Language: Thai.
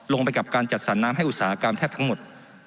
ลงไปกับการจัดสรรน้ำให้อุตสาหกรรมแทบทั้งหมด